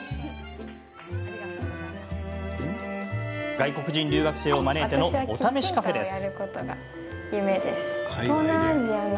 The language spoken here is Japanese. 外国人留学生を招いてのお試しカフェです。